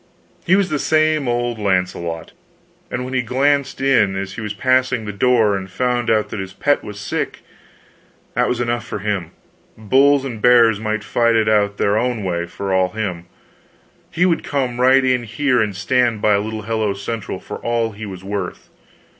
He was the same old Launcelot, and when he glanced in as he was passing the door and found out that his pet was sick, that was enough for him; bulls and bears might fight it out their own way for all him, he would come right in here and stand by little Hello Central for all he was worth.